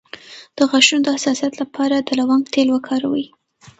د غاښونو د حساسیت لپاره د لونګ تېل وکاروئ